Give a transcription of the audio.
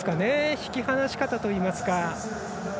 引き離し方といいますか。